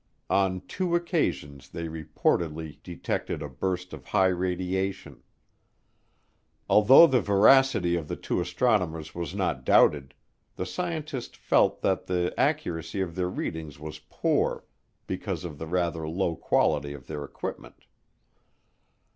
On two occasions they reportedly detected a burst of high radiation. Although the veracity of the two astronomers was not doubted, the scientist felt that the accuracy of their readings was poor because of the rather low quality of their equipment.